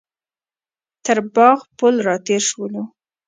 تر باغ پل راتېر شولو.